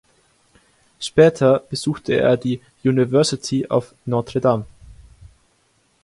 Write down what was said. Später besuchte er die University of Notre Dame.